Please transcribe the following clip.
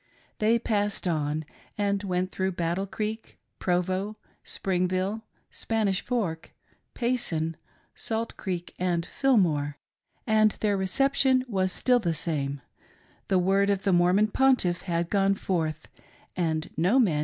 They passed on, and went through Battle Creek, Provo, Springville, Spanish Fork, Payson, Salt Creek and Fillmore, and their reception was still the same, — ^^the word of the Mormon Pontiff had gone forth, and no man THE EMIGRANTS ON THE ROAD.